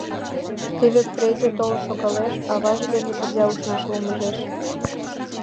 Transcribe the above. Теве презе толын шогалеш, аваж дене пырля ушнаш ломыжеш.